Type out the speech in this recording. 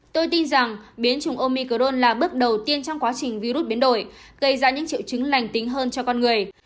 tôi tin rằng biến chủng omicrone là bước đầu tiên trong quá trình virus biến đổi gây ra những triệu chứng lành tính hơn cho con người